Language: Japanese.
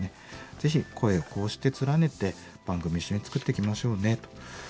ぜひ声をこうして連ねて番組一緒に作っていきましょうねと。